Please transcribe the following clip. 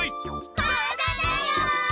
まあだだよ！